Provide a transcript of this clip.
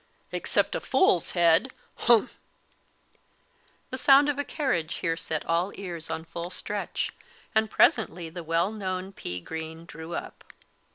"Except a fool's head humph!" The sound of a carriage here set all ears on full stretch, and presently the well known pea green drew up.